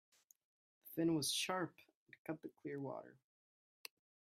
The fin was sharp and cut the clear water.